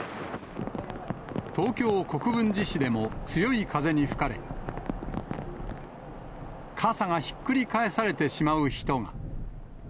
東京・国分寺市でも、強い風に吹かれ、傘がひっくり返されてしまう人が。